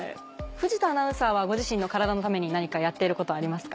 藤田アナウンサーはご自身の体のために何かやっていることありますか？